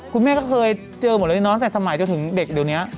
คุณแม่ก็เคยเจอหมดเลยเนาะแต่สมัยจนถึงเด็กเดี๋ยวนี้